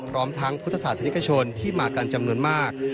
พร้อมทั้งพุทธศาสนิกชนที่มากันจำนวนมาก